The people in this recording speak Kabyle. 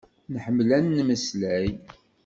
Nḥemmel ad nmeslay.